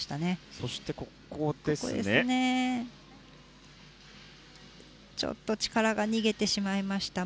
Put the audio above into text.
そして、ちょっと力が逃げてしまいましたね。